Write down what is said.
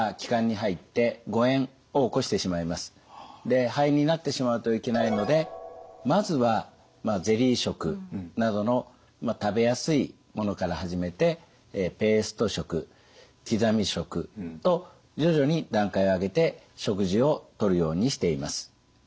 で肺炎になってしまうといけないのでまずはゼリー食などの食べやすいものから始めてペースト食刻み食と徐々に段階を上げて食事をとるようにしています。